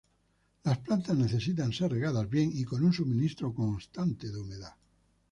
Las plantas necesitan ser regadas bien y con un suministro constante de humedad.